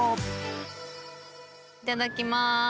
いただきまーす。